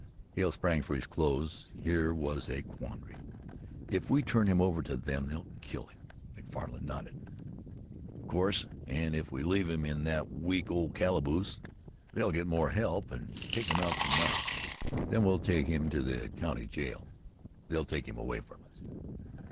Hale sprang for his clothes here was a quandary. "If we turn him over to them they'll kill him." Macfarlan nodded. "Of course, and if we leave him in that weak old calaboose, they'll get more help and take him out to night." "Then we'll take him to the county jail." "They'll take him away from us."